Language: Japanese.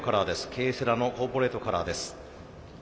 Ｋセラのコーポレートカラーです。